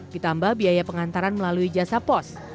ditambah biaya pengantaran melalui jasa pos